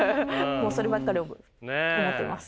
もうそればっかり思ってます。